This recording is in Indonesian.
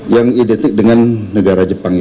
yang identik dengan negara jepang